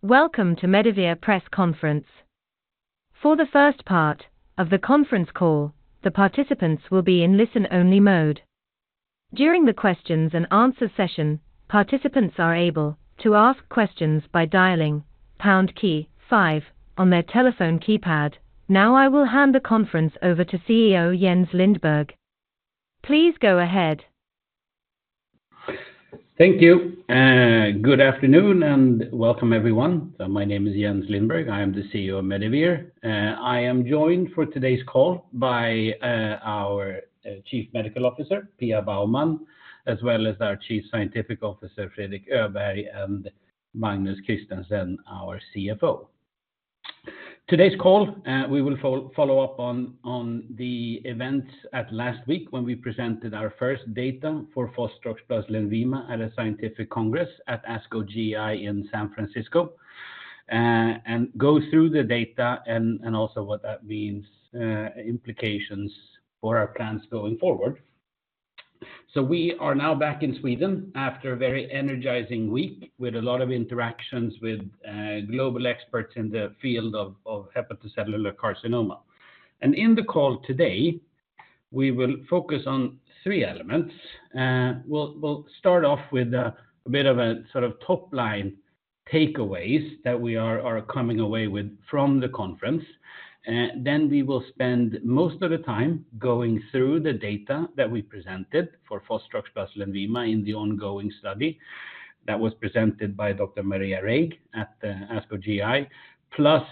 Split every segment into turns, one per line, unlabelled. Welcome to Medivir press conference. For the first part of the conference call, the participants will be in listen-only mode. During the questions and answer session, participants are able to ask questions by dialing pound key five on their telephone keypad. Now, I will hand the conference over to CEO Jens Lindberg. Please go ahead.
Thank you. Good afternoon, and welcome everyone. My name is Jens Lindberg. I am the CEO of Medivir. I am joined for today's call by our Chief Medical Officer, Pia Baumann, as well as our Chief Scientific Officer, Fredrik Öberg, and Magnus Christensen, our CFO. Today's call, we will follow up on the events at last week, when we presented our first data for fostrox plus LENVIMA at a scientific congress at ASCO GI in San Francisco, and go through the data and also what that means, implications for our plans going forward. So we are now back in Sweden after a very energizing week, with a lot of interactions with global experts in the field of hepatocellular carcinoma. And in the call today, we will focus on three elements. We'll start off with a bit of a sort of top-line takeaways that we are coming away with from the conference. Then we will spend most of the time going through the data that we presented for fostrox plus LENVIMA in the ongoing study that was presented by Dr. Maria Reig at the ASCO GI, plus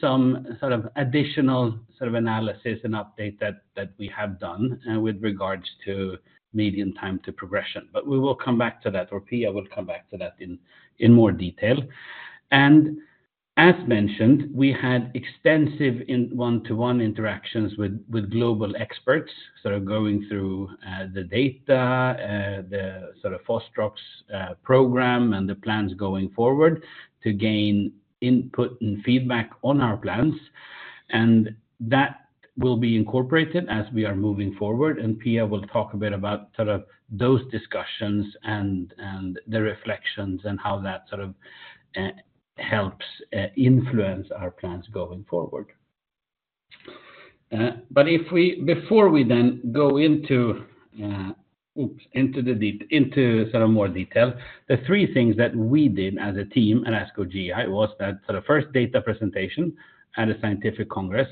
some sort of additional sort of analysis and update that we have done, with regards to median time to progression. But we will come back to that, or Pia will come back to that in more detail. And as mentioned, we had extensive one-to-one interactions with global experts, sort of going through the data, the sort of fostrox program, and the plans going forward to gain input and feedback on our plans. That will be incorporated as we are moving forward, and Pia will talk a bit about sort of those discussions and, and the reflections, and how that sort of helps influence our plans going forward. But before we then go into sort of more detail, the three things that we did as a team at ASCO GI was that sort of first data presentation at a scientific congress,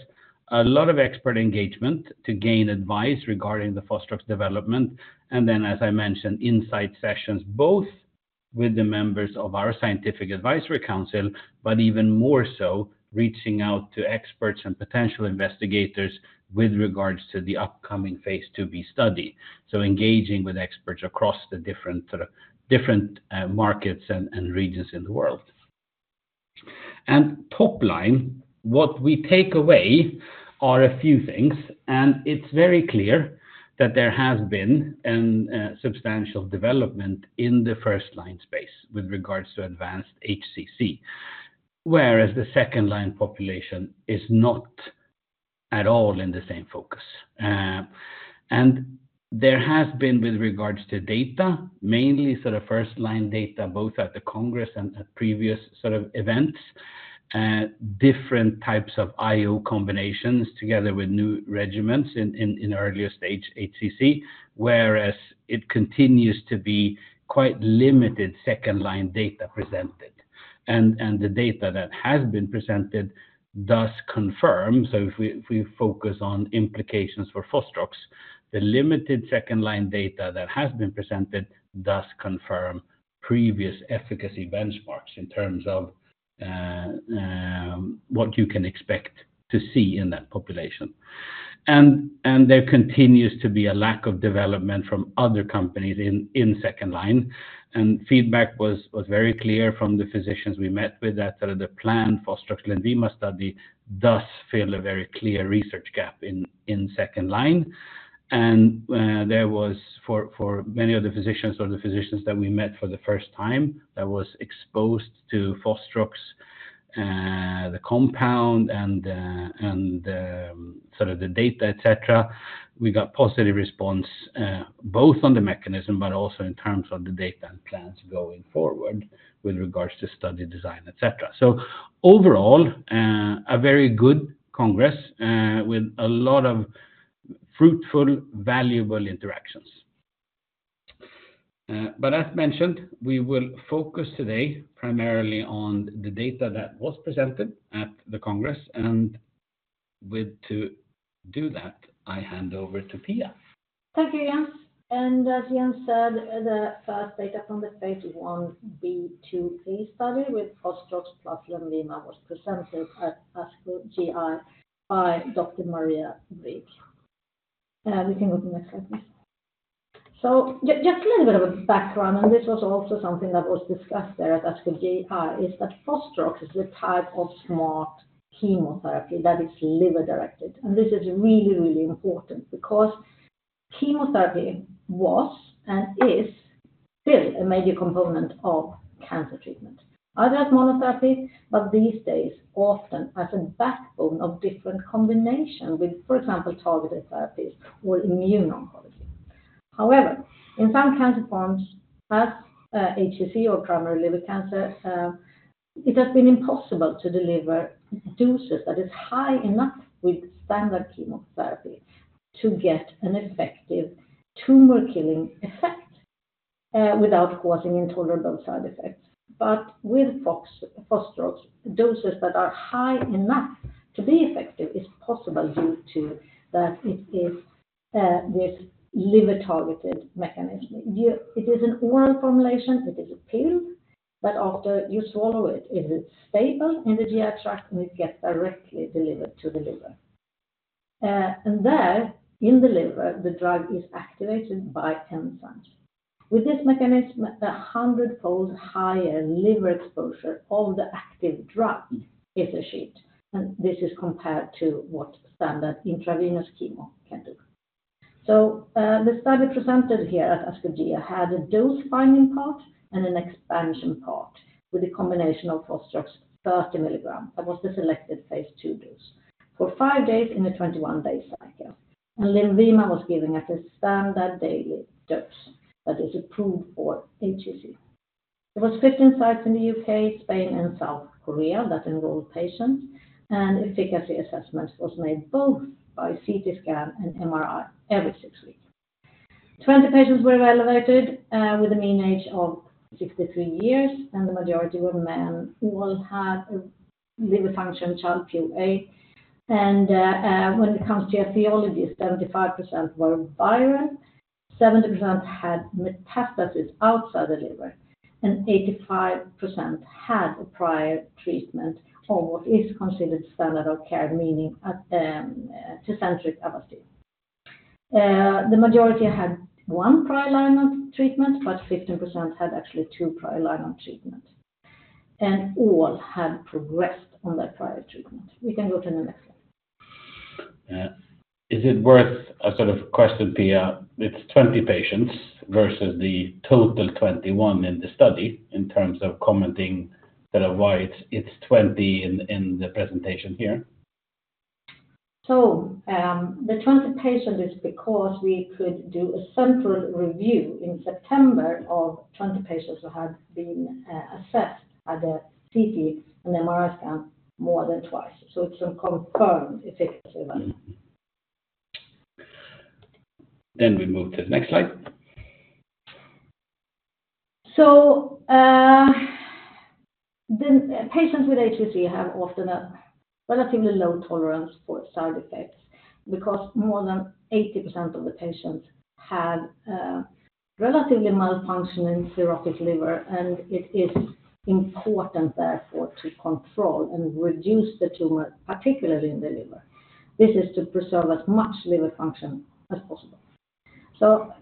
a lot of expert engagement to gain advice regarding the fostrox development, and then, as I mentioned, insight sessions, both with the members of our scientific advisory council, but even more so reaching out to experts and potential investigators with regards to the upcoming phase II-B study. So engaging with experts across the different, sort of, different markets and regions in the world. And top line, what we take away are a few things, and it's very clear that there has been a substantial development in the first line space with regards to advanced HCC. Whereas the second-line population is not at all in the same focus. And there has been, with regards to data, mainly sort of first-line data, both at the congress and at previous sort of events, different types of IO combinations together with new regimens in earlier stage HCC, whereas it continues to be quite limited second-line data presented. And the data that has been presented does confirm, so if we focus on implications for fostrox, the limited second-line data that has been presented does confirm previous efficacy benchmarks in terms of what you can expect to see in that population. There continues to be a lack of development from other companies in second line, and feedback was very clear from the physicians we met with that sort of the plan fostrox LENVIMA study does fill a very clear research gap in second line. And there was for many of the physicians or the physicians that we met for the first time, that was exposed to fostrox, the compound and the sort of the data, etc., we got positive response both on the mechanism, but also in terms of the data and plans going forward with regards to study design, etc. So overall, a very good congress with a lot of fruitful, valuable interactions. But as mentioned, we will focus today primarily on the data that was presented at the congress, and to do that, I hand over to Pia.
Thank you, Jens. And as Jens said, the first data from the phase I-B/II-B study with fostrox plus LENVIMA was presented at ASCO GI by Dr. Maria Reig. You can go to the next slide, please. So just a little bit of a background, and this was also something that was discussed there at ASCO GI, is that fostrox is a type of smart chemotherapy that is liver-directed. And this is really, really important because chemotherapy was, and is, still a major component of cancer treatment. Either as monotherapy, but these days, often as a backbone of different combination with, for example, targeted therapies or immuno-oncology. However, in some cancer forms, as HCC or primary liver cancer, it has been impossible to deliver doses that is high enough with standard chemotherapy to get an effective tumor-killing effect without causing intolerable side effects. But with fostrox, doses that are high enough to be effective is possible due to that it is this liver-targeted mechanism. It is an oral formulation, it is a pill, but after you swallow it, it is stable in the GI tract, and it gets directly delivered to the liver. And there, in the liver, the drug is activated by enzymes. With this mechanism, the hundredfold higher liver exposure of the active drug is achieved, and this is compared to what standard intravenous chemo can do. So, the study presented here at ASCO GI had a dose-finding part and an expansion part with a combination of fostrox 30 mg. That was the selected phase II dose, for five days in a 21-day cycle. And LENVIMA was given at a standard daily dose that is approved for HCC. It was 15 sites in the U.K., Spain, and South Korea that enrolled patients, and efficacy assessment was made both by CT scan and MRI every six weeks. Twenty patients were evaluated, with a mean age of 63 years, and the majority were men who all had liver function Child-Pugh A. When it comes to etiologies, 75% were virus, 70% had metastasis outside the liver, and 85% had a prior treatment of what is considered standard of care, meaning, TECENTRIQ-Avastin. The majority had one prior line of treatment, but 15% had actually two prior line of treatment, and all had progressed on that prior treatment. We can go to the next slide.
Is it worth a sort of question, Pia? It's 20 patients versus the total 21 in the study in terms of commenting sort of why it's 20 in the presentation here.
So, the 20 patients is because we could do a central review in September of 20 patients who had been assessed at the CT and MRI scan more than twice. So it's a confirmed efficacy event.
Then we move to the next slide.
So, the patients with HCC have often a relatively low tolerance for side effects because more than 80% of the patients have a relatively malfunctioning cirrhotic liver, and it is important therefore to control and reduce the tumor, particularly in the liver. This is to preserve as much liver function as possible. So,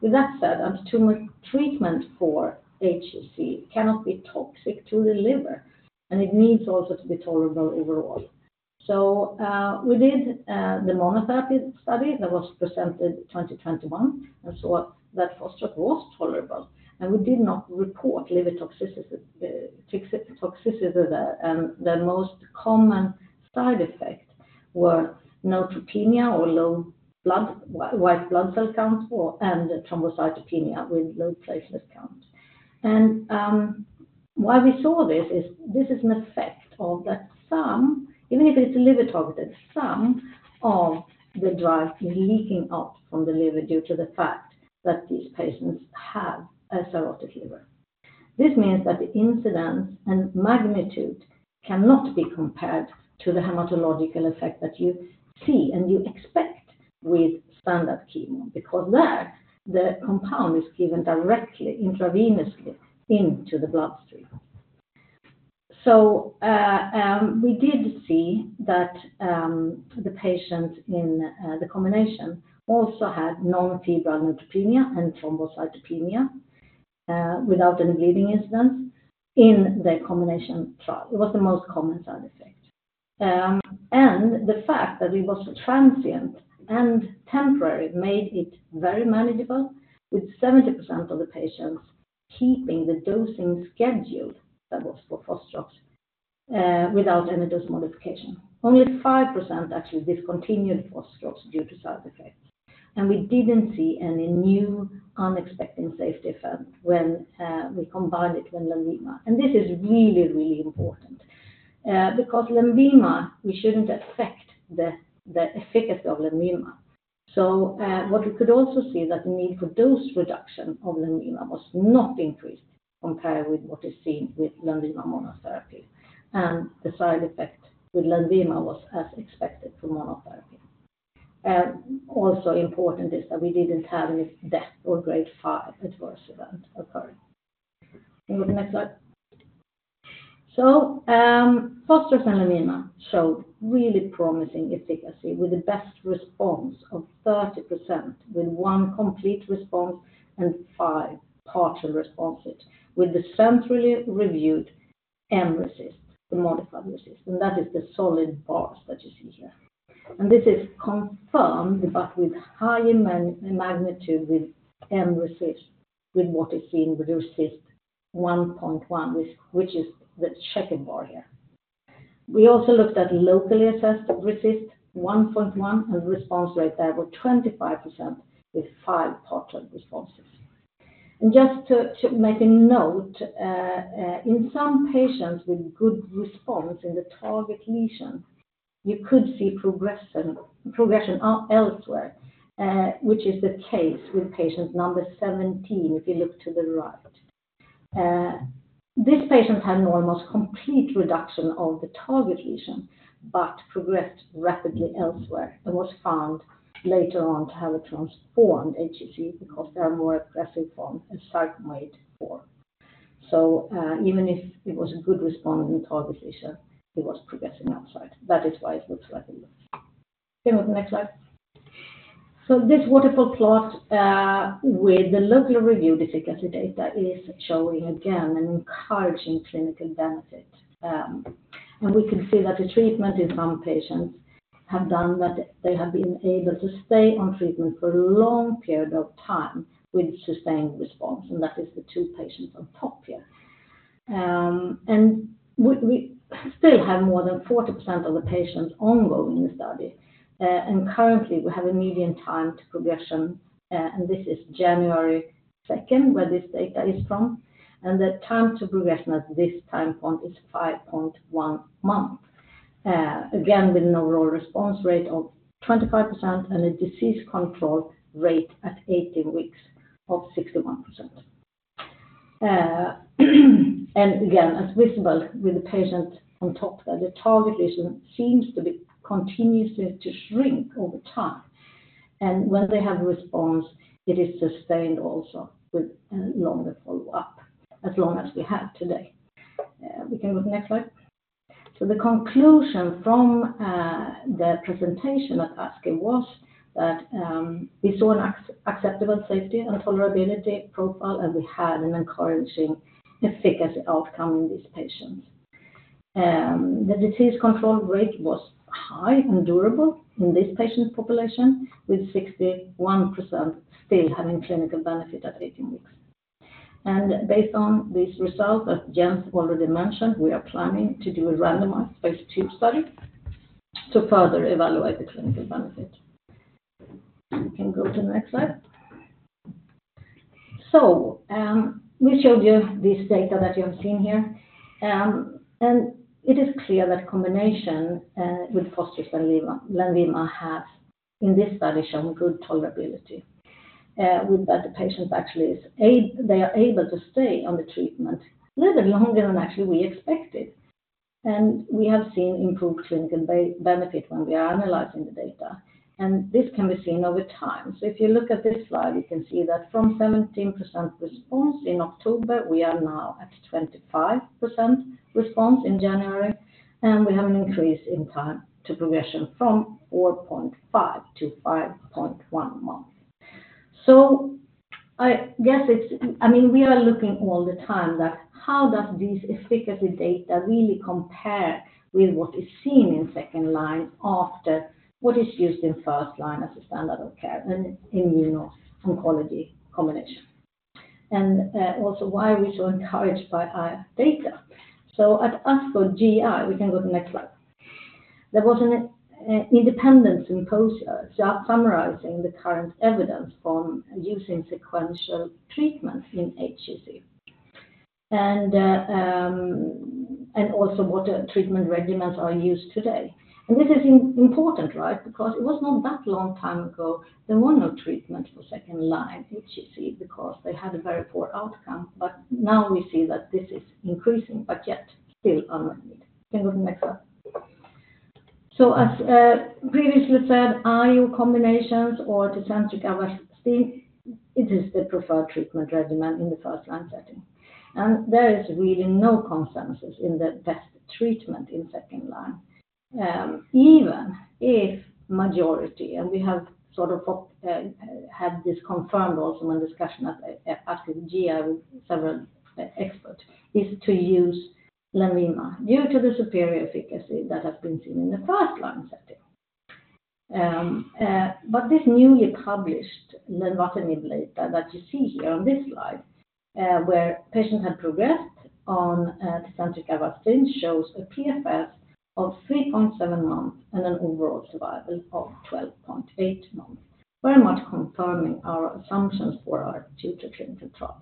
with that said, a tumor treatment for HCC cannot be toxic to the liver, and it needs also to be tolerable overall. So, we did the monotherapy study that was presented in 2021, and saw that fostrox was tolerable, and we did not report liver toxicity there. And the most common side effects were neutropenia or low blood white blood cell count or thrombocytopenia with low platelet count. Why we saw this is that this is an effect of the fact that some, even if it's liver targeted, some of the drug is leaking out from the liver due to the fact that these patients have a cirrhotic liver. This means that the incidence and magnitude cannot be compared to the hematological effect that you see and you expect with standard chemo, because there the compound is given directly intravenously into the bloodstream. So, we did see that the patients in the combination also had non-febrile neutropenia and thrombocytopenia without any bleeding incidents in the combination trial. It was the most common side effect. And the fact that it was transient and temporary made it very manageable, with 70% of the patients keeping the dosing schedule that was for fostrox without any dose modification. Only 5% actually discontinued fostrox due to side effects, and we didn't see any new unexpected safety effect when we combined it with LENVIMA. And this is really, really important, because LENVIMA, we shouldn't affect the, the efficacy of LENVIMA. So, what we could also see that the need for dose reduction of LENVIMA was not increased compared with what is seen with LENVIMA monotherapy, and the side effect with LENVIMA was as expected from monotherapy. Also important is that we didn't have any death or Grade 5 adverse event occurring. Can you go to the next slide? So, fostrox and LENVIMA showed really promising efficacy with the best response of 30%, with one complete response and five partial responses, with the centrally reviewed mRECIST, the modified RECIST, and that is the solid box that you see here. This is confirmed, but with higher magnitude, with mRECIST, with what is seen with RECIST 1.1, which, which is the checkered bar here. We also looked at locally assessed RECIST 1.1, a response rate there were 25% with five partial responses. And just to make a note, in some patients with good response in the target lesion, you could see progression, progression elsewhere, which is the case with patient number 17, if you look to the right. This patient had an almost complete reduction of the target lesion, but progressed rapidly elsewhere, and was found later on to have a transformed HCC because they are more aggressive form, a sarcomatoid 4. So, even if it was a good response in the target lesion, it was progressing outside. That is why it looks like it looks. Can we go to the next slide? So this waterfall plot with the locally reviewed efficacy data is showing again an encouraging clinical benefit. And we can see that the treatment in some patients have done that, they have been able to stay on treatment for a long period of time with sustained response, and that is the two patients on top here. And we still have more than 40% of the patients ongoing in the study. And currently, we have a median time to progression, and this is January second, where this data is from, and the time to progression at this time point is 5.1 months. Again, with an overall response rate of 25% and a disease control rate at 18 weeks of 61%. And again, as visible with the patient on top there, the target lesion seems to be continuously to shrink over time. And when they have a response, it is sustained also with a longer follow-up, as long as we have today. We can go to the next slide. So the conclusion from the presentation at ASCO was that we saw an acceptable safety and tolerability profile, and we had an encouraging efficacy outcome in these patients. The disease control rate was high and durable in this patient population, with 61% still having clinical benefit at 18 weeks. And based on this result, as Jens already mentioned, we are planning to do a randomized phase II study to further evaluate the clinical benefit. We can go to the next slide. We showed you this data that you have seen here, and it is clear that combination with fostrox, LENVIMA have, in this study, shown good tolerability, with that the patients actually are able to stay on the treatment little longer than actually we expected. And we have seen improved clinical benefit when we are analyzing the data, and this can be seen over time. If you look at this slide, you can see that from 17% response in October, we are now at 25% response in January, and we have an increase in time to progression from 4.5-5.1 months. So I guess it's I mean, we are looking all the time that how does this efficacy data really compare with what is seen in second line after what is used in first line as a standard of care in immuno-oncology combination? And also why are we so encouraged by our data? So at ASCO GI, we can go to the next slide. There was an independent symposium summarizing the current evidence on using sequential treatments in HCC, and also what treatment regimens are used today. And this is important, right? Because it was not that long time ago, there were no treatments for second-line HCC because they had a very poor outcome. But now we see that this is increasing, but yet still unmet need. Can we go to the next slide? So as previously said, IO combinations or TECENTRIQ-Avastin, it is the preferred treatment regimen in the first-line setting. And there is really no consensus in the best treatment in second line. Even if majority, and we have sort of had this confirmed also in the discussion at ASCO GI, several experts is to use LENVIMA due to the superior efficacy that has been seen in the first line setting. But this newly published lenvatinib data that you see here on this slide, where patients had progressed on TECENTRIQ-Avastin, shows a PFS of 3.7 months and an overall survival of 12.8 months, very much confirming our assumptions for our future clinical trials.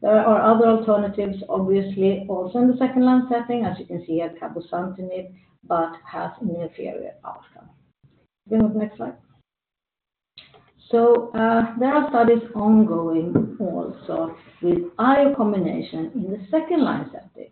There are other alternatives, obviously, also in the second-line setting, as you can see, a cabozantinib, but has inferior outcome. We can go to the next slide. So, there are studies ongoing also with IO combination in the second-line setting,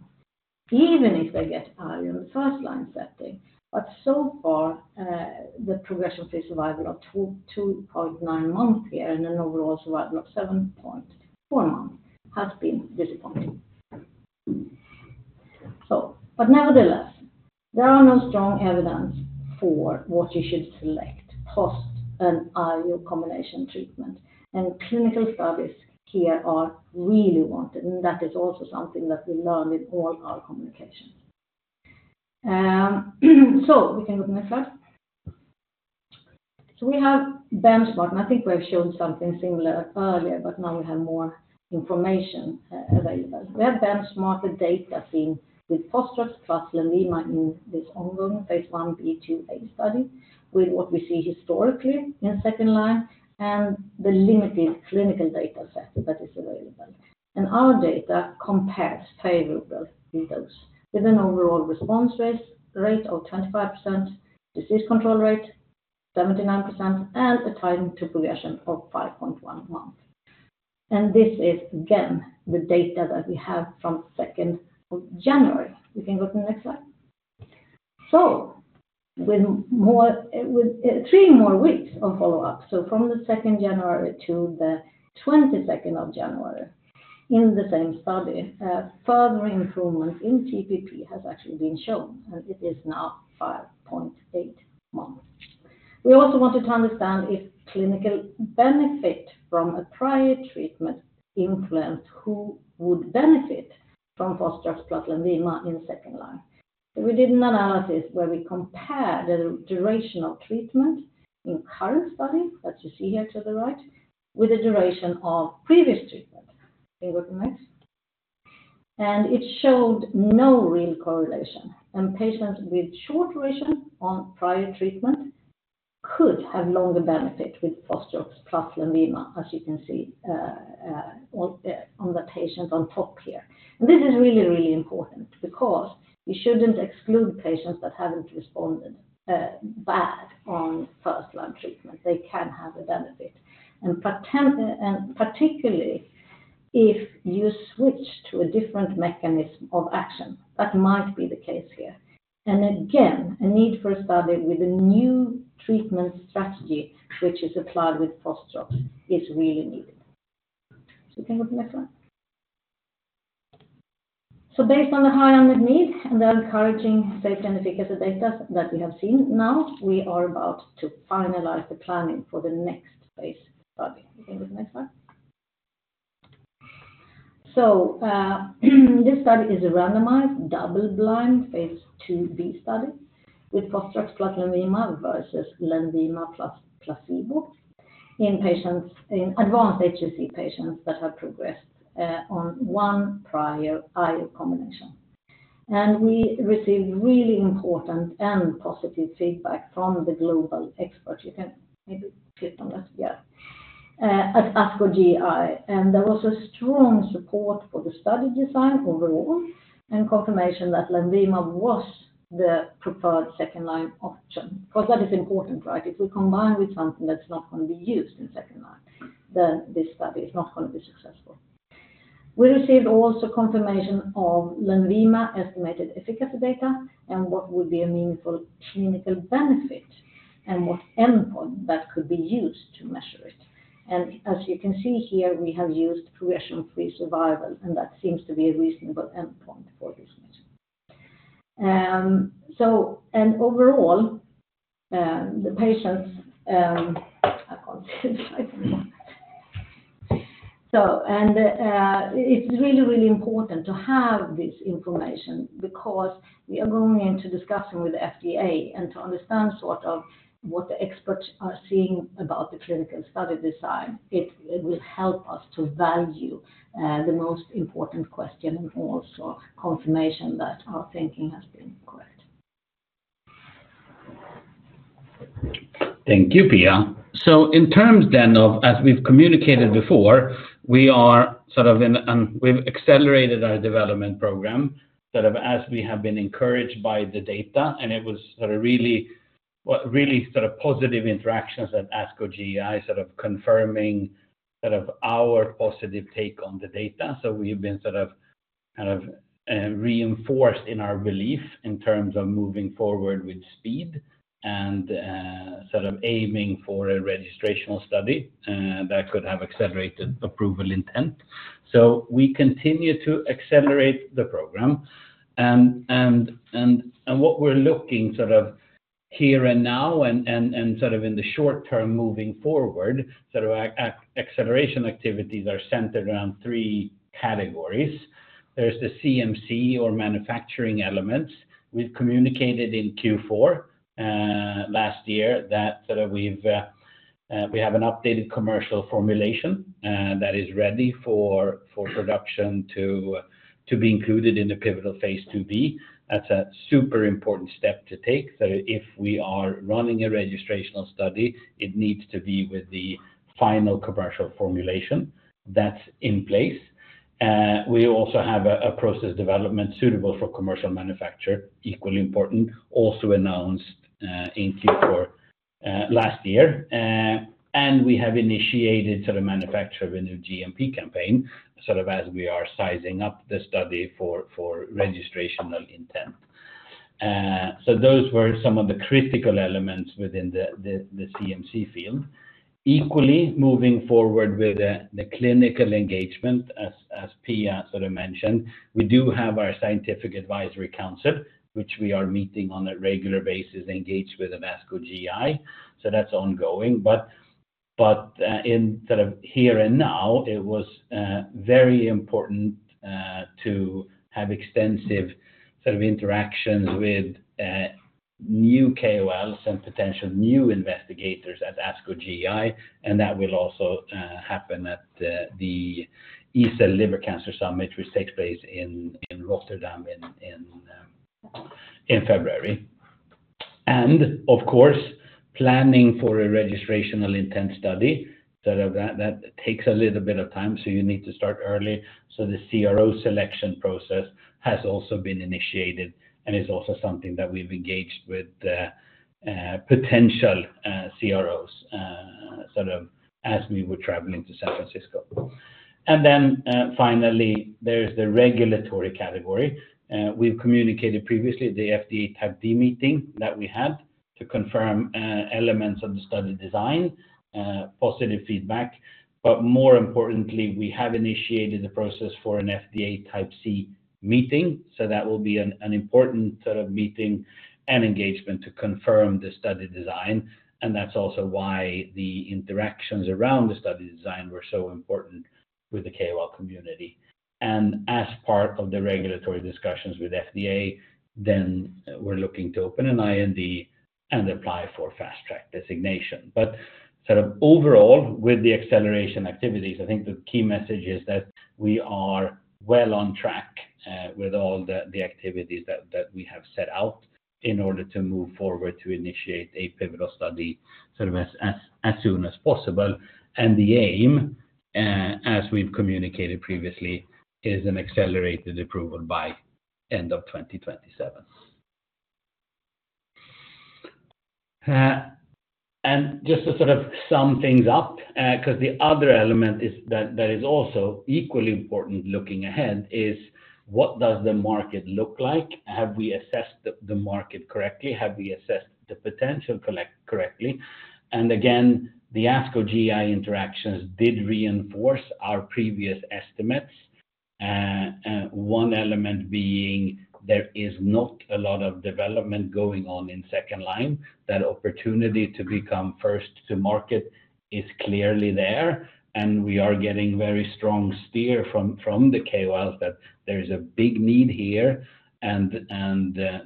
even if they get IO in the first-line setting. But so far, the progression-free survival of 2.2 months here and an overall survival of 7.4 months has been disappointing. So, but nevertheless, there are no strong evidence for what you should select post an IO combination treatment, and clinical studies here are really wanted, and that is also something that we learn in all our communications. So we can go to the next slide. So we have benchmarked, and I think we have shown something similar earlier, but now we have more information available. We have benchmarked the data seen with fostrox plus LENVIMA in this ongoing phase I-B/II-B study, with what we see historically in second line and the limited clinical data set that is available. Our data compares favorably with those, with an overall response rate of 25%, disease control rate 79%, and a time to progression of 5.1 months. And this is again, the data that we have from 2nd of January. You can go to the next slide. So with three more weeks of follow-up, so from the 2nd January to the 22nd of January, in the same study, further improvements in TTP has actually been shown, and it is now 5.8 months. We also wanted to understand if clinical benefit from a prior treatment influenced who would benefit from fostrox plus LENVIMA in the second line. So we did an analysis where we compared the duration of treatment in current study, that you see here to the right, with the duration of previous treatment. You can go to the next. And it showed no real correlation, and patients with short duration on prior treatment could have longer benefit with fostrox plus LENVIMA, as you can see, on the patients on top here. And this is really, really important because we shouldn't exclude patients that haven't responded bad on first-line treatment. They can have a benefit, and particularly, if you switch to a different mechanism of action, that might be the case here. And again, a need for a study with a new treatment strategy, which is applied with fostrox, is really needed. So you can go to the next slide. So based on the high unmet need and the encouraging safety and efficacy data that we have seen, now we are about to finalize the planning for the next phase study. You can go to the next slide. So, this study is a randomized, double-blind, phase II-B study with fostrox plus LENVIMA versus LENVIMA plus placebo in patients in advanced HCC patients that have progressed on one prior IO combination. And we received really important and positive feedback from the global expert. You can maybe click on that at ASCO GI, and there was a strong support for the study design overall, and confirmation that LENVIMA was the preferred second-line option. Because that is important, right? If we combine with something that's not going to be used in second line, then this study is not going to be successful. We received also confirmation of LENVIMA estimated efficacy data and what would be a meaningful clinical benefit and what endpoint that could be used to measure it. And as you can see here, we have used progression-free survival, and that seems to be a reasonable endpoint for this measure. So and overall, the patients, I can't see the slide. So and, it's really, really important to have this information because we are going into discussion with the FDA and to understand sort of what the experts are seeing about the clinical study design, it will help us to value, the most important question and also confirmation that our thinking has been correct.
Thank you, Pia. So in terms then of as we've communicated before, we are sort of in, we've accelerated our development program, sort of, as we have been encouraged by the data, and it was sort of really, well, really sort of positive interactions at ASCO GI, sort of confirming sort of our positive take on the data. So we've been sort of, kind of, reinforced in our belief in terms of moving forward with speed and, sort of aiming for a registrational study that could have accelerated approval intent. So we continue to accelerate the program, and what we're looking sort of here and now, and sort of in the short term moving forward, sort of acceleration activities are centered around three categories. There's the CMC or manufacturing elements. We've communicated in Q4 last year that sort of we have an updated commercial formulation that is ready for production to be included in the pivotal phase II-B. That's a super important step to take. So if we are running a registrational study, it needs to be with the final commercial formulation that's in place. We also have a process development suitable for commercial manufacture, equally important, also announced in Q4 last year. And we have initiated sort of manufacture of a new GMP campaign, sort of as we are sizing up the study for registrational intent. So those were some of the critical elements within the CMC field. Equally, moving forward with the clinical engagement, as Pia sort of mentioned, we do have our scientific advisory council, which we are meeting on a regular basis, engaged with ASCO GI, so that's ongoing, but in sort of here and now, it was very important to have extensive sort of interactions with new KOLs and potential new investigators at ASCO GI, and that will also happen at the EASL Liver Cancer Summit, which takes place in Rotterdam in February. And of course, planning for a registrational intent study, sort of that takes a little bit of time, so you need to start early. So the CRO selection process has also been initiated, and is also something that we've engaged with potential CROs sort of as we were traveling to San Francisco. And then, finally, there's the regulatory category. We've communicated previously the FDA Type D Meeting that we had to confirm elements of the study design, positive feedback. But more importantly, we have initiated the process for an FDA Type C Meeting. So that will be an important sort of meeting and engagement to confirm the study design, and that's also why the interactions around the study design were so important with the KOL community. As part of the regulatory discussions with FDA, then we're looking to open an IND and apply for Fast Track Designation. But sort of overall, with the acceleration activities, I think the key message is that we are well on track with all the activities that we have set out in order to move forward to initiate a pivotal study sort of as soon as possible. And the aim, as we've communicated previously, is an accelerated approval by end of 2027. And just to sort of sum things up, because the other element is that that is also equally important looking ahead, is what does the market look like? Have we assessed the market correctly? Have we assessed the potential correctly? And again, the ASCO GI interactions did reinforce our previous estimates. One element being there is not a lot of development going on in second line. That opportunity to become first to market is clearly there, and we are getting very strong steer from the KOLs that there is a big need here, and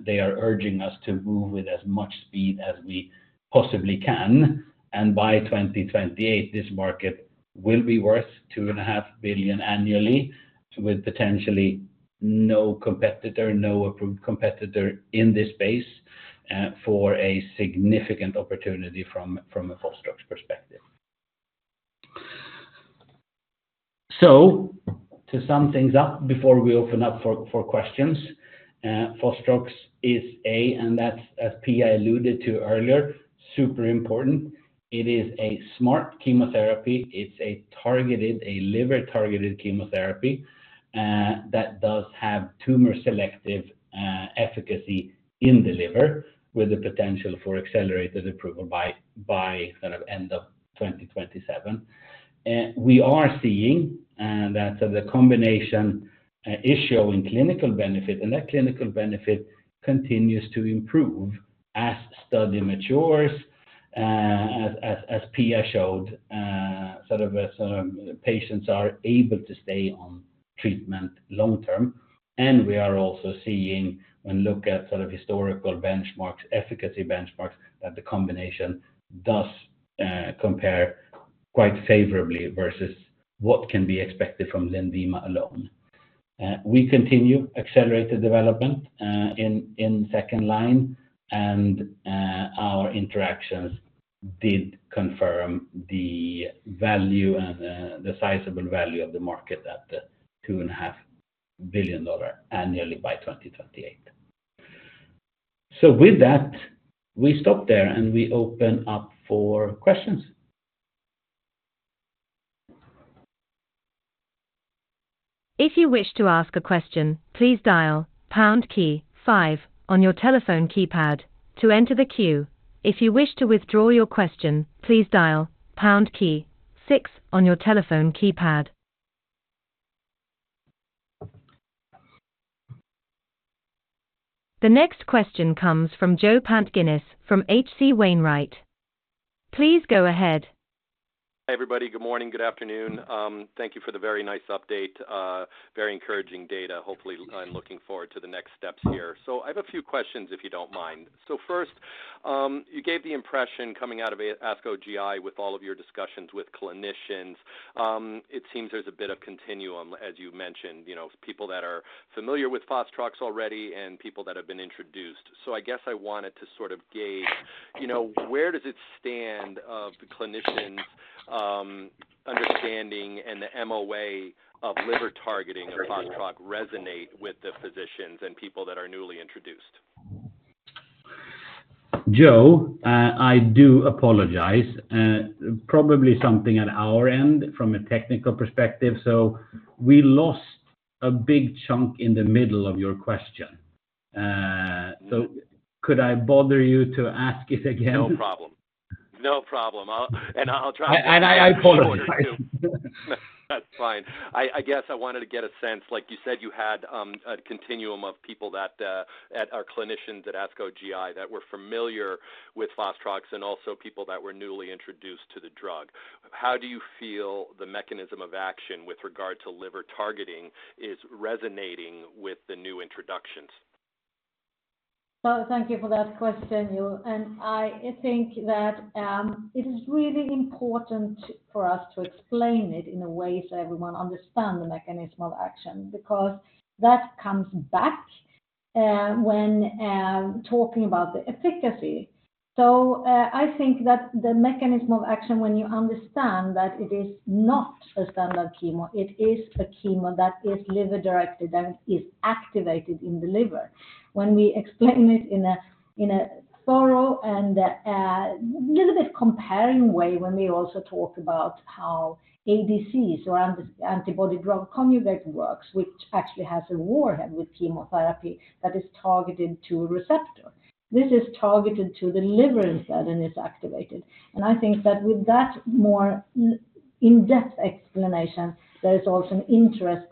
they are urging us to move with as much speed as we possibly can. And by 2028, this market will be worth $2.5 billion annually, with potentially no competitor, no approved competitor in this space, for a significant opportunity from a fostrox perspective. So to sum things up before we open up for questions, fostrox is a, and that's as Pia alluded to earlier, super important. It is a smart chemotherapy. It's a targeted, a liver-targeted chemotherapy, that does have tumor selective, efficacy in the liver, with the potential for accelerated approval by sort of end of 2027. We are seeing that the combination is showing clinical benefit, and that clinical benefit continues to improve as study matures, as Pia showed, sort of as patients are able to stay on treatment long term. And we are also seeing, when look at sort of historical benchmarks, efficacy benchmarks, that the combination does compare quite favorably versus what can be expected from LENVIMA alone. We continue accelerated development in second line, and our interactions did confirm the value and the sizable value of the market at the $2.5 billion annually by 2028. So with that, we stop there and we open up for questions.
If you wish to ask a question, please dial pound key five on your telephone keypad to enter the queue. If you wish to withdraw your question, please dial pound key six on your telephone keypad. The next question comes from Joe Pantginis from H.C. Wainwright. Please go ahead.
Hi, everybody. Good morning, good afternoon. Thank you for the very nice update, very encouraging data. Hopefully, I'm looking forward to the next steps here. So I have a few questions, if you don't mind. So first, you gave the impression coming out of ASCO GI with all of your discussions with clinicians, it seems there's a bit of continuum, as you mentioned, you know, people that are familiar with fostrox already and people that have been introduced. So I guess I wanted to sort of gauge, you know, where does it stand of the clinicians, understanding and the MOA of liver targeting fostrox resonate with the physicians and people that are newly introduced?
Joe, I do apologize. Probably something at our end from a technical perspective, so we lost a big chunk in the middle of your question. So could I bother you to ask it again?
No problem. No problem. I'll try.
I apologize.
That's fine. I, I guess I wanted to get a sense, like you said, you had, a continuum of people that, at our clinicians at ASCO GI, that were familiar with fostrox and also people that were newly introduced to the drug. How do you feel the mechanism of action with regard to liver targeting is resonating with the new introductions?
Well, thank you for that question, Joe, and I think that it is really important for us to explain it in a way so everyone understand the mechanism of action, because that comes back when talking about the efficacy. So, I think that the mechanism of action, when you understand that it is not a standard chemo, it is a chemo that is liver-directed, and is activated in the liver. When we explain it in a thorough and a little bit comparing way, when we also talk about how ADCs or antibody-drug conjugate works, which actually has a warhead with chemotherapy that is targeted to a receptor. This is targeted to the liver instead, and is activated. I think that with that more in-depth explanation, there is also an interest,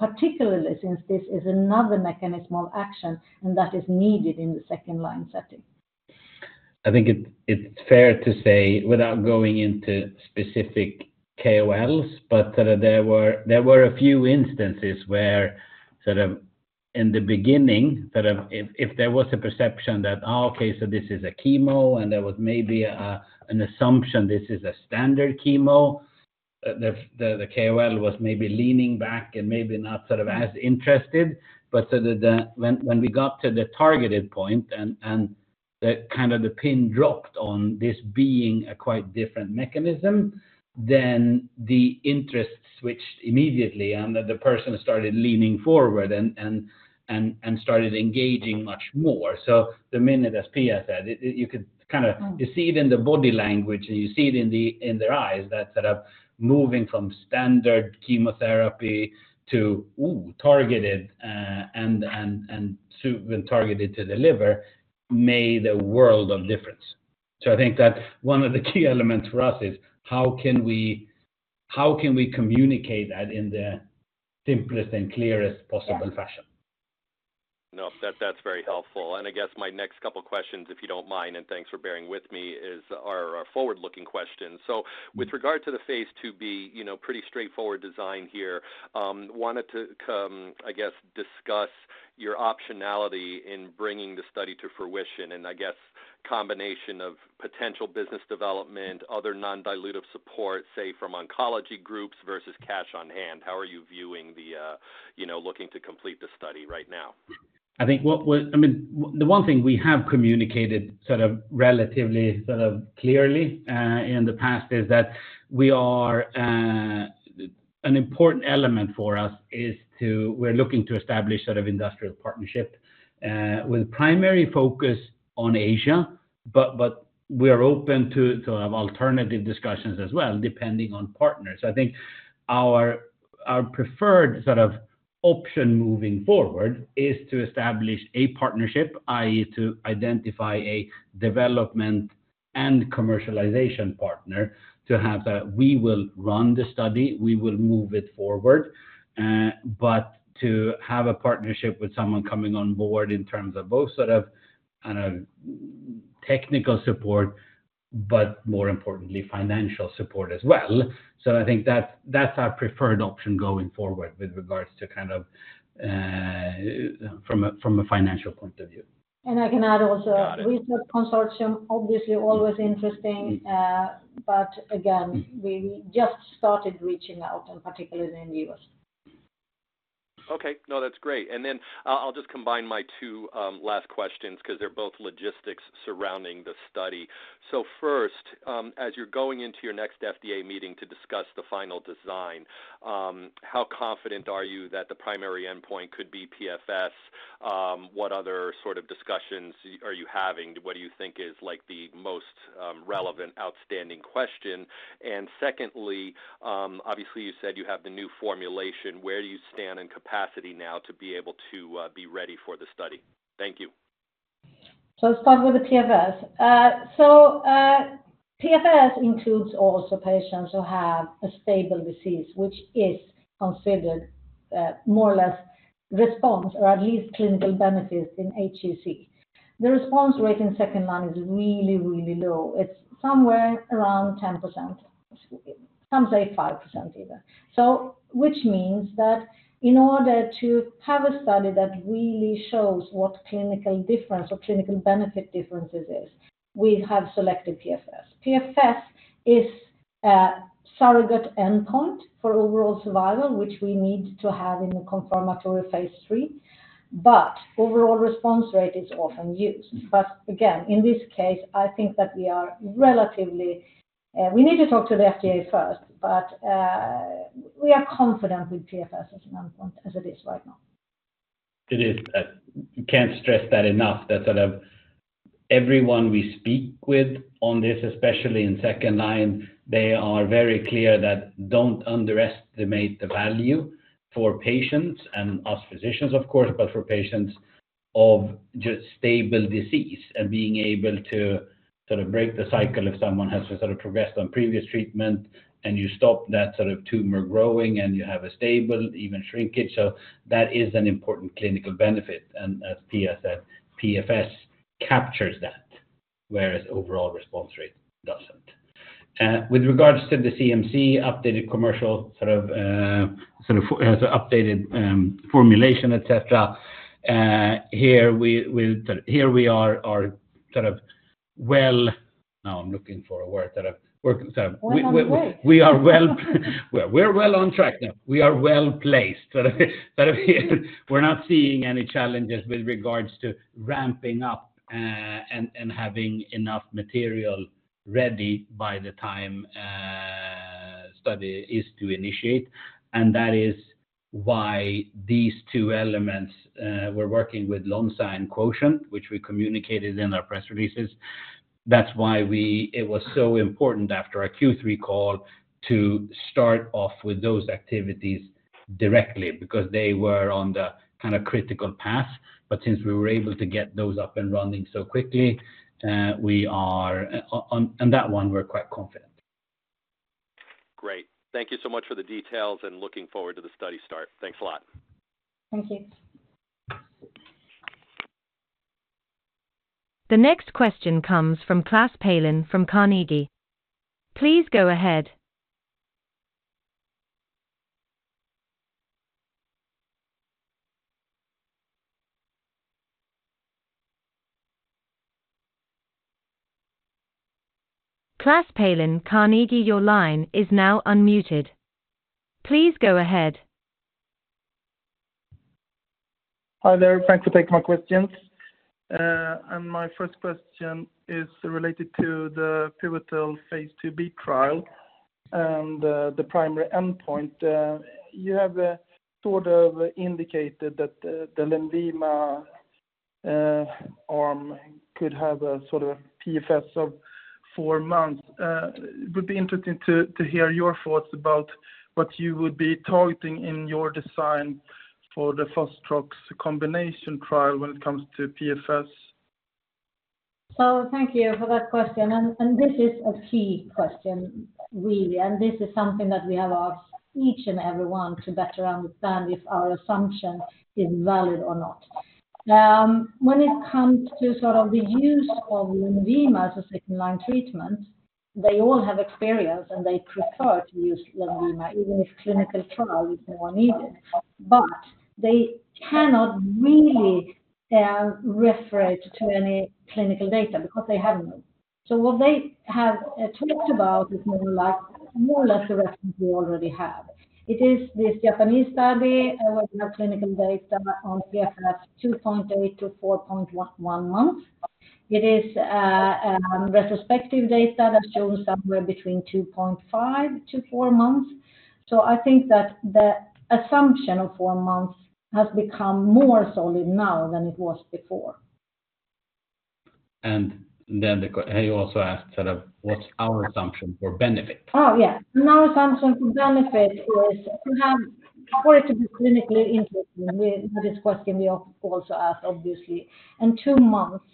particularly since this is another mechanism of action, and that is needed in the second line setting.
I think it's fair to say, without going into specific KOLs, but that there were a few instances where sort of in the beginning, sort of if there was a perception that, okay, so this is a chemo, and there was maybe an assumption this is a standard chemo, the KOL was maybe leaning back and maybe not sort of as interested. But so the, when we got to the targeted point and the kind of the pin dropped on this being a quite different mechanism, then the interest switched immediately, and the person started leaning forward and started engaging much more. So the minute, as Pia said, you could kind of.
Mm.
You see it in the body language, and you see it in their eyes, that sort of moving from standard chemotherapy to ooh, targeted, and to when targeted to the liver, made a world of difference. So I think that one of the key elements for us is how can we, how can we communicate that in the simplest and clearest possible fashion?
No, that, that's very helpful. And I guess my next couple questions, if you don't mind, and thanks for bearing with me, is, are a forward-looking question. So with regard to the phase II-B, you know, pretty straightforward design here, wanted to, I guess, discuss your optionality in bringing the study to fruition, and I guess combination of potential business development, other non-dilutive support, say, from oncology groups versus cash on hand. How are you viewing the, you know, looking to complete the study right now?
I think what I mean, the one thing we have communicated sort of relatively, sort of clearly in the past is that we are an important element for us is to. We're looking to establish sort of industrial partnership with primary focus on Asia, but, but we are open to, to have alternative discussions as well, depending on partners. I think our, our preferred sort of option moving forward is to establish a partnership, i.e., to identify a development and commercialization partner, to have a. We will run the study, we will move it forward, but to have a partnership with someone coming on board in terms of both sort of, I don't know, technical support, but more importantly, financial support as well. I think that's, that's our preferred option going forward with regards to kind of, from a, from a financial point of view.
And I can add also.
Got it.
With the consortium, obviously, always interesting, but again, we just started reaching out, and particularly in the U.S.
Okay. No, that's great. And then I'll just combine my two last questions because they're both logistics surrounding the study. So first, as you're going into your next FDA meeting to discuss the final design, how confident are you that the primary endpoint could be PFS? What other sort of discussions are you having? What do you think is like the most relevant, outstanding question? And secondly, obviously, you said you have the new formulation. Where do you stand in capacity now to be able to be ready for the study? Thank you.
So let's start with the PFS. So, PFS includes also patients who have a stable disease, which is considered more or less response or at least clinical benefits in HCC. The response rate in second line is really, really low. It's somewhere around 10%, some say 5% even. So which means that in order to have a study that really shows what clinical difference or clinical benefit differences is, we have selected PFS. PFS is a surrogate endpoint for overall survival, which we need to have in a confirmatory phase III, but overall response rate is often used. But again, in this case, I think that we are relatively, we need to talk to the FDA first, but, we are confident with PFS as an endpoint as it is right now.
It is. I can't stress that enough, that sort of everyone we speak with on this, especially in second line, they are very clear that don't underestimate the value for patients and us physicians, of course, but for patients, of just stable disease and being able to sort of break the cycle if someone has sort of progressed on previous treatment, and you stop that sort of tumor growing, and you have a stable, even shrinkage. So that is an important clinical benefit, and as Pia said, PFS captures that, whereas overall response rate doesn't. With regards to the CMC updated commercial, sort of, sort of has updated, formulation, etc. Here we are sort of well. Now, I'm looking for a word, sort of, we're sort of.
Well on the way.
We are well on track now. We are well placed. Sort of, we're not seeing any challenges with regards to ramping up, and having enough material ready by the time study is to initiate. And that is why these two elements, we're working with Lonza and Quotient, which we communicated in our press releases. That's why we, it was so important after our Q3 call, to start off with those activities directly, because they were on the kind of critical path. But since we were able to get those up and running so quickly, we are on that one, we're quite confident.
Great. Thank you so much for the details, and looking forward to the study start. Thanks a lot.
Thank you.
The next question comes from Klas Palin from Carnegie. Please go ahead. Klas Palin, Carnegie, your line is now unmuted. Please go ahead.
Hi there, thanks for taking my questions. My first question is related to the pivotal phase II-B trial and the primary endpoint. You have sort of indicated that the LENVIMA arm could have a sort of PFS of four months. It would be interesting to hear your thoughts about what you would be targeting in your design for the fostrox combination trial when it comes to PFS.
So thank you for that question, and this is a key question, really, and this is something that we have asked each and everyone to better understand if our assumption is valid or not. When it comes to sort of the use of LENVIMA as a second-line treatment, they all have experience, and they prefer to use LENVIMA, even if clinical trial is more needed. But they cannot really refer to any clinical data because they have none. So what they have talked about is more or less, more or less the reference we already have. It is this Japanese study with no clinical data on PFS 2.8-4.1 months. It is retrospective data that shows somewhere between 2.5-4 months. I think that the assumption of four months has become more solid now than it was before.
Then he also asked, sort of, what's our assumption for benefit?
Oh, yeah. Our assumption for benefit is to have for it to be clinically interesting. We, this question we also ask, obviously, in two months,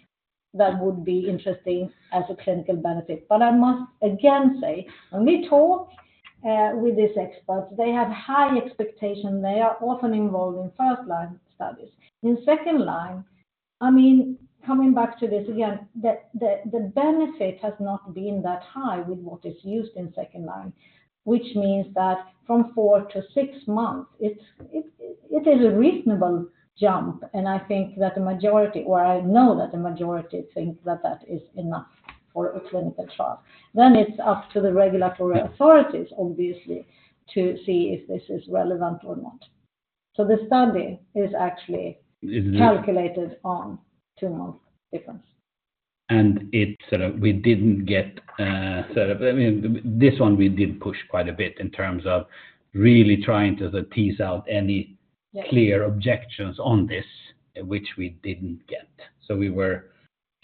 that would be interesting as a clinical benefit. But I must again say, when we talk with these experts, they have high expectation. They are often involved in first-line studies. In second line, I mean, coming back to this again, the benefit has not been that high with what is used in second line, which means that from four to six months, it is a reasonable jump, and I think that the majority, or I know that the majority think that that is enough for a clinical trial. Then it's up to the regulatory authorities, obviously, to see if this is relevant or not. So the study is actually.
It is.
Calculated on two-month difference.
It sort of, we didn't get, sort of, I mean, this one, we did push quite a bit in terms of really trying to tease out any.
Yes.
Clear objections on this, which we didn't get. So that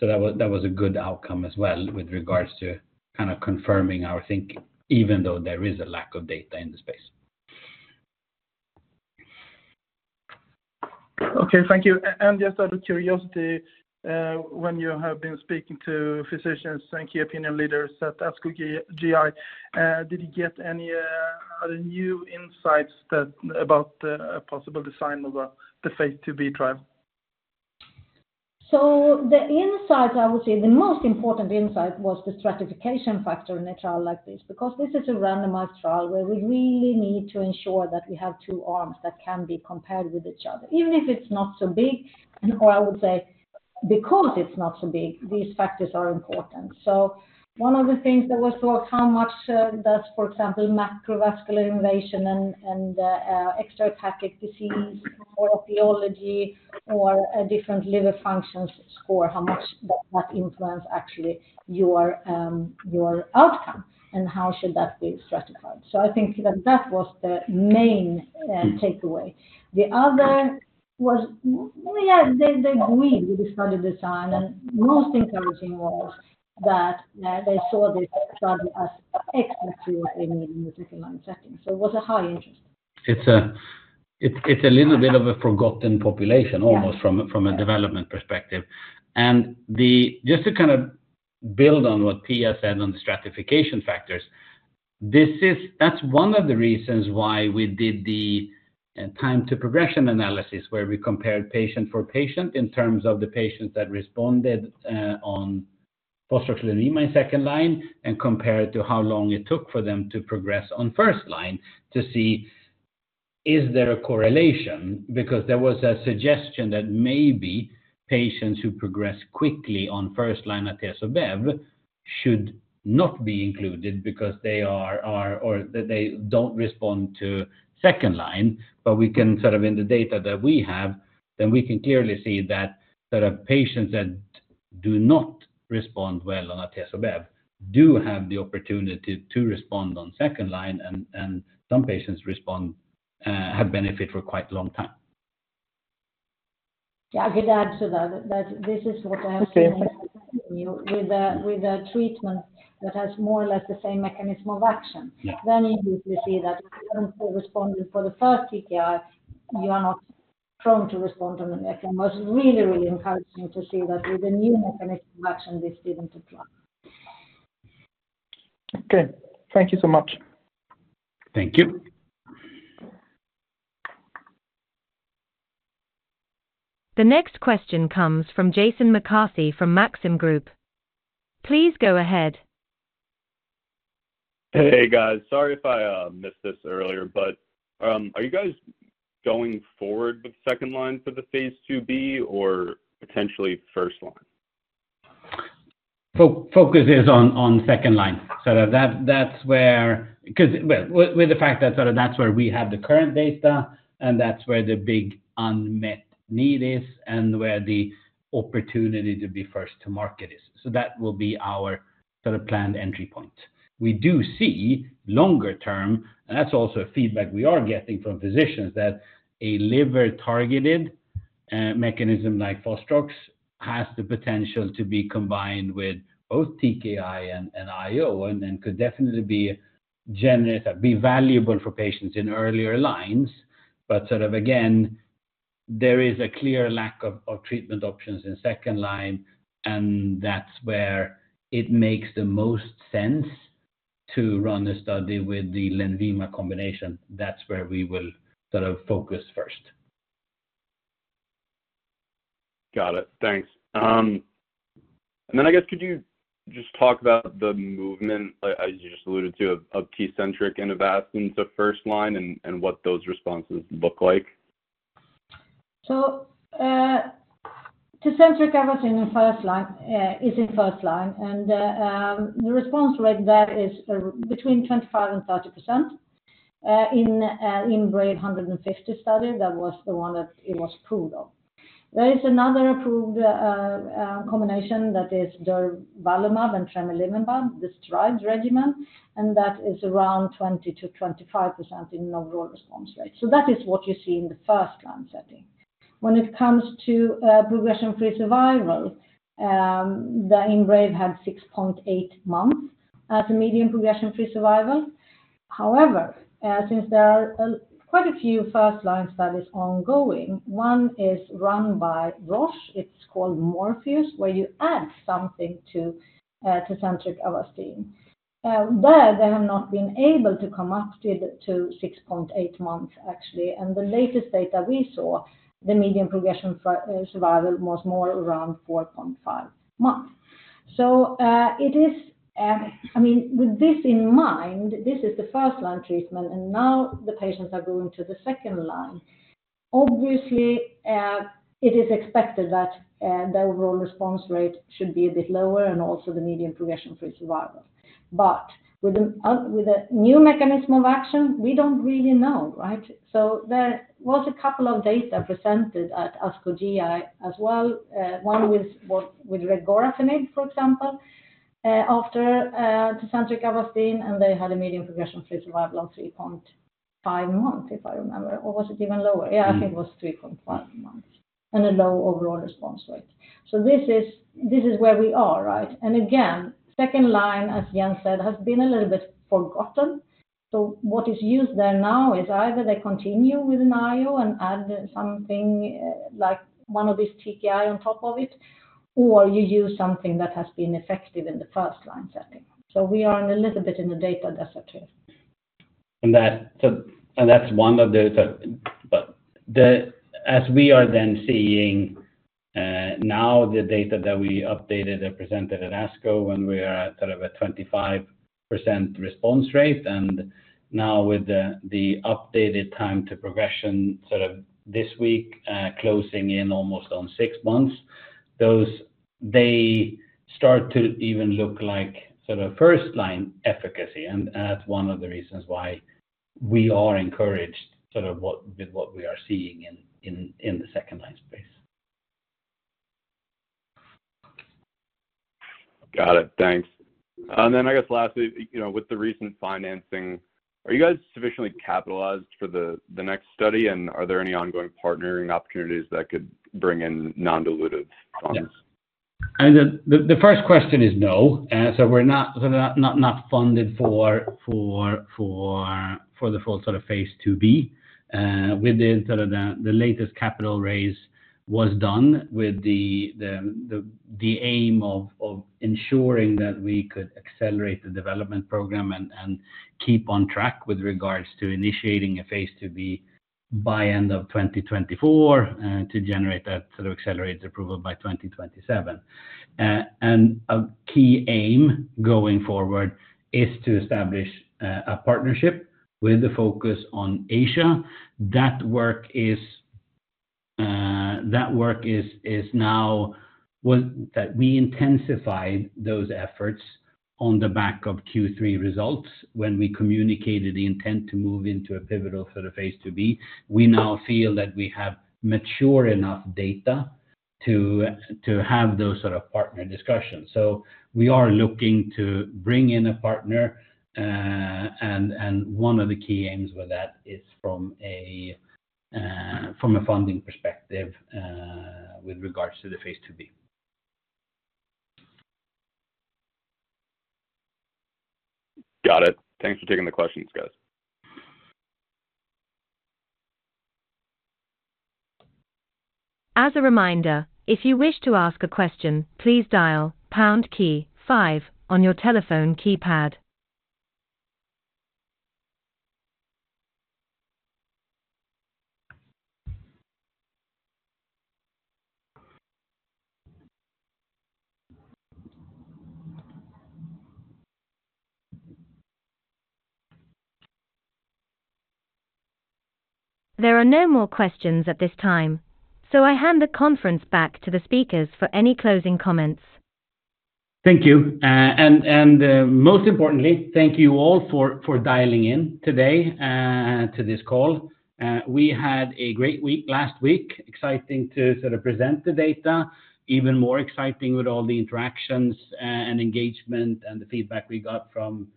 was, that was a good outcome as well, with regards to kind of confirming our thinking, even though there is a lack of data in the space.
Okay, thank you. And just out of curiosity, when you have been speaking to physicians and key opinion leaders at ASCO GI, did you get any new insights about the possible design of the phase II-B trial?
So the insight, I would say the most important insight was the stratification factor in a trial like this, because this is a randomized trial where we really need to ensure that we have two arms that can be compared with each other, even if it's not so big, or I would say, because it's not so big, these factors are important. So one of the things that we saw, how much does, for example, macrovascular invasion and extrahepatic disease or etiology or a different liver function score, how much that influence actually your outcome, and how should that be stratified? So I think that was the main takeaway. The other was, yeah, they agreed with the study design, and most encouraging was that, they saw this study as exactly what they need in the second-line setting. It was a high interest.
It's a little bit of a forgotten population.
Yeah.
Almost from a development perspective. And just to kind of build on what Pia said on the stratification factors, that's one of the reasons why we did the time to progression analysis, where we compared patient for patient in terms of the patients that responded on fostrox second line, and compared to how long it took for them to progress on first line, to see is there a correlation? Because there was a suggestion that maybe patients who progress quickly on first-line atezo/bev should not be included because they are or that they don't respond to second line. We can sort of in the data that we have, then we can clearly see that there are patients that do not respond well on atezo/bev, do have the opportunity to respond on second line, and some patients respond, have benefit for quite a long time.
Yeah, I could add to that, that this is what I have seen.
Okay.
With a treatment that has more or less the same mechanism of action.
Yeah.
You usually see that responding for the first TKI, you are not prone to respond to the next one. It was really, really encouraging to see that with the new mechanism of action, this didn't apply.
Okay, thank you so much.
Thank you.
The next question comes from Jason McCarthy from Maxim Group. Please go ahead.
Hey, guys. Sorry if I missed this earlier, but are you guys going forward with second-line for the phase II-B or potentially first-line?
So focus is on second line. So that's where. Because, well, with the fact that sort of that's where we have the current data, and that's where the big unmet need is and where the opportunity to be first to market is. So that will be our sort of planned entry point. We do see longer term, and that's also feedback we are getting from physicians, that a liver-targeted mechanism like fostrox has the potential to be combined with both TKI and IO, and then could definitely be generous, be valuable for patients in earlier lines. But sort of again, there is a clear lack of treatment options in second line, and that's where it makes the most sense to run a study with the LENVIMA combination. That's where we will sort of focus first.
Got it, thanks. And then I guess, could you just talk about the movement, as you just alluded to, of, of TECENTRIQ and Avastin to first line and, and what those responses look like?
So, TECENTRIQ-Avastin in first-line, is in first-line, and, the response rate there is, between 25% and 30%, in, in IMbrave150 study, that was the one that it was approved of. There is another approved, combination that is durvalumab and tremelimumab, the STRIDE regimen, and that is around 20%-25% in overall response rate. So that is what you see in the first-line setting. When it comes to, progression-free survival, the IMbrave had 6.8 months as a median progression-free survival. However, since there are, quite a few first-line studies ongoing, one is run by Roche. It's called MORPHEUS, where you add something to, TECENTRIQ-Avastin. There, they have not been able to come up to, to 6.8 months, actually. The latest data we saw, the median progression for survival was more around 4.5 months. So, it is, I mean, with this in mind, this is the first-line treatment, and now the patients are going to the second line. Obviously, it is expected that the overall response rate should be a bit lower and also the median progression-free survival. But with a new mechanism of action, we don't really know, right? So there was a couple of data presented at ASCO GI as well, one with regorafenib, for example, after TECENTRIQ-Avastin, and they had a median progression-free survival of 3.5 months, if I remember. Or was it even lower? Yeah, I think it was 3.5 months, and a low overall response rate. So this is, this is where we are, right? And again, second line, as Jens said, has been a little bit forgotten. So what is used there now is either they continue with an IO and add something like one of these TKI on top of it, or you use something that has been effective in the first line setting. So we are in a little bit in the data desert here.
And that's one of the, but as we are then seeing, now the data that we updated and presented at ASCO, when we are at sort of a 25% response rate, and now with the updated time to progression sort of this week, closing in almost on six months, they start to even look like sort of first line efficacy. And that's one of the reasons why we are encouraged sort of what, with what we are seeing in the second line space.
Got it, thanks. Then I guess lastly, you know, with the recent financing, are you guys sufficiently capitalized for the next study? And are there any ongoing partnering opportunities that could bring in non-dilutive funds?
The first question is no. So we're not funded for the full sort of phase II-B. The latest capital raise was done with the aim of ensuring that we could accelerate the development program and keep on track with regards to initiating a phase II-B by end of 2024 to generate that sort of accelerated approval by 2027. And a key aim going forward is to establish a partnership with the focus on Asia. That work is now that we intensified those efforts on the back of Q3 results when we communicated the intent to move into a pivotal sort of phase II-B. We now feel that we have mature enough data to have those sort of partner discussions. So we are looking to bring in a partner, and one of the key aims with that is from a funding perspective, with regards to the phase II-B.
Got it. Thanks for taking the questions, guys.
As a reminder, if you wish to ask a question, please dial pound key five on your telephone keypad. There are no more questions at this time, so I hand the conference back to the speakers for any closing comments.
Thank you. And most importantly, thank you all for dialing in today to this call. We had a great week last week. Exciting to sort of present the data. Even more exciting with all the interactions, and engagement, and the feedback we got from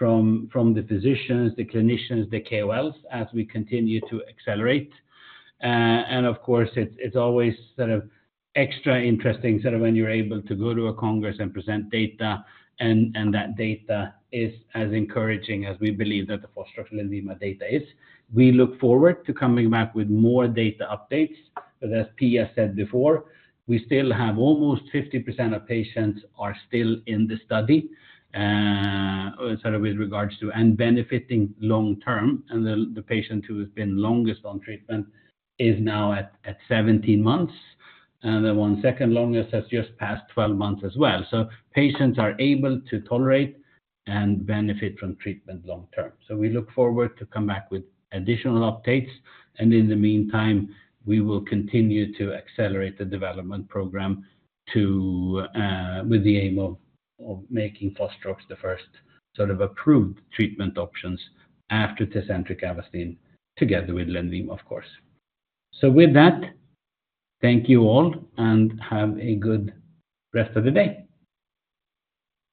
the physicians, the clinicians, the KOLs, as we continue to accelerate. And of course, it's always sort of extra interesting sort of when you're able to go to a congress and present data, and that data is as encouraging as we believe that the fostrox data is. We look forward to coming back with more data updates, but as Pia said before, we still have almost 50% of patients are still in the study, sort of with regards to and benefiting long-term, and the patient who has been longest on treatment is now at 17 months, and the one second longest has just passed 12 months as well. So patients are able to tolerate and benefit from treatment long term. So we look forward to come back with additional updates, and in the meantime, we will continue to accelerate the development program to, with the aim of, of making fostrox the first sort of approved treatment options after TECENTRIQ-Avastin, together with LENVIMA, of course. So with that, thank you all, and have a good rest of the day.